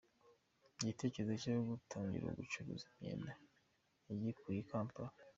Igitekerezo cyo gutangira gucuruza imyenda, yagikuye i Kampala.